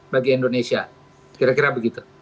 bagi indonesia kira kira begitu